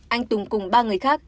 anh tùng cùng ba người khác